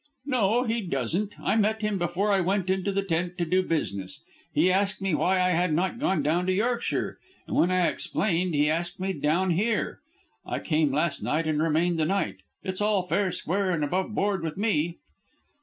"No, he doesn't. I met him before I went into the tent to do business. He asked me why I had not gone to Yorkshire, and when I explained he asked me down here. I came last night and remained the night. It's all fair, square, and above board with me."